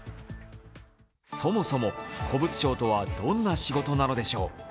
そもそも古物商とはどんな仕事なのでしょう？